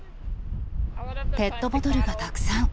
ペットボトルがたくさん。